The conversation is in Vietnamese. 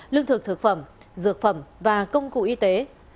lương thực thực phẩm dược phẩm và công cụ y tế